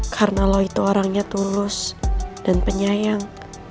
karena lo itu orangnya tulus dan penyayang